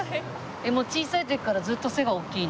もう小さい時からずっと背が大きいの？